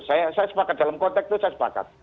saya sepakat dalam konteks itu saya sepakat